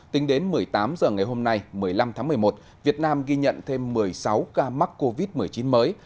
tính đến một mươi tám h ngày hôm nay một mươi năm tháng một mươi một việt nam ghi nhận thêm một mươi sáu ca mắc covid một mươi chín mới